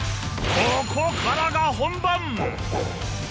ここからが本番！